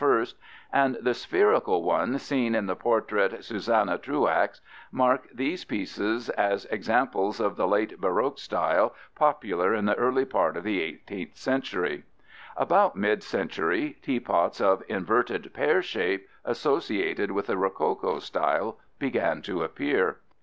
5) and the spherical one seen in the portrait Susanna Truax (fig. 2) mark these pieces as examples of the late baroque style popular in the early part of the 18th century. About mid century, teapots of inverted pear shape, associated with the rococo style, began to appear.